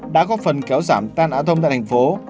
đã góp phần kéo giảm tai nạn thông tại tp hcm